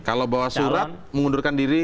kalau bawa surat mengundurkan diri